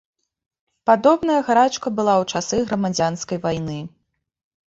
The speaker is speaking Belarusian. Падобная гарачка была ў часы грамадзянскай вайны.